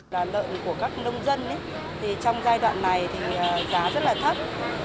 là lợn của các nông dân trong giai đoạn này giá rất là thấp